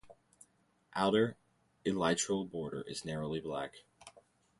Outer elytral border is narrowly black.